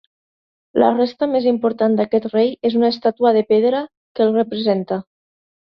La resta més important d'aquest rei és una estàtua de pedra que el representa.